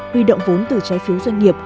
huy động vốn từ trái phiếu doanh nghiệp